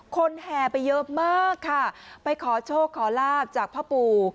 แห่ไปเยอะมากค่ะไปขอโชคขอลาบจากพ่อปู่